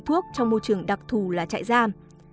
thuốc trong môi trường đặc thù là chạy giam